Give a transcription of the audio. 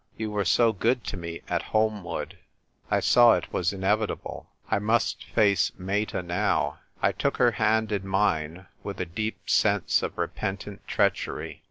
You were so good to me at Holmwood." I saw it was inevitable. I must face Meta now. I took her hand in mine, with a deep sense of repentant treachery.